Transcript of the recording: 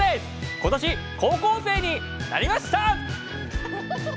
ことし高校生になりました。